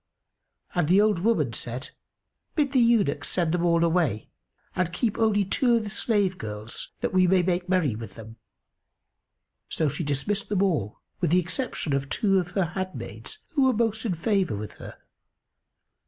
and the old woman said, "Bid the eunuchs send them all away and keep only two of the slave girls, that we may make merry with them." So she dismissed them all, with the exception of two of her handmaids who were most in favour with her.